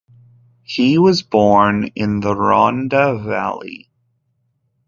He was born in the Rhondda valley.